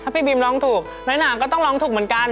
พี่บิมร้องถูกน้อยหนามก็ต้องร้องถูกเหมือนกัน